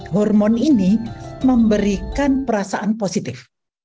hormon ini memberikan perasaan positif